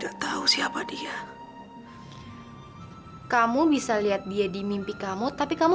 aku janji akan kembali bersama aditya bu